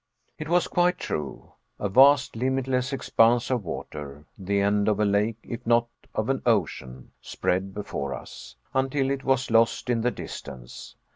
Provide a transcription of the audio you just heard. It was quite true. A vast, limitless expanse of water, the end of a lake if not of an ocean, spread before us, until it was lost in the distance.